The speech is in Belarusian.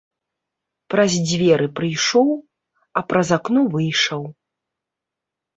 Праз дзверы прыйшоў, а праз акно выйшаў.